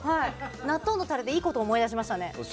納豆のタレでいいこと思い出しましたね。